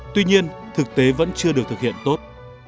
tuy nhiên thực tế vẫn chưa được thực hiện tốt